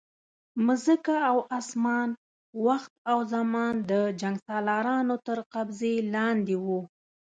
مځکه او اسمان، وخت او زمان د جنګسالارانو تر قبضې لاندې وو.